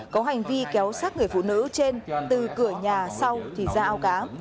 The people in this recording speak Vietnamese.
có hành vi kéo sát người phụ nữ trên từ cửa nhà sau thì ra ao cá